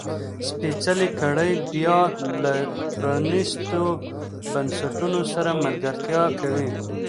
سپېڅلې کړۍ بیا له پرانیستو بنسټونو سره ملګرتیا کوي.